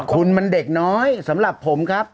คุณมันเด็กน้อยสำหรับผมครับ